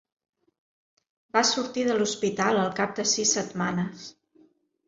Va sortir de l'hospital al cap de sis setmanes.